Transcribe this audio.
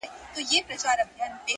• هره ورځ به دي تورونه ډک له ښکار سي -